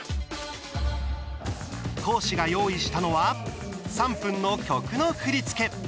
講師が用意したのは３分の曲の振り付け。